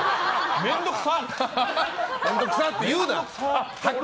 面倒くさって言うな！